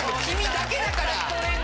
君だけだから！